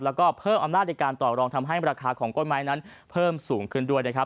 แล้วก็เพิ่มอำนาจในการต่อรองทำให้ราคาของต้นไม้นั้นเพิ่มสูงขึ้นด้วยนะครับ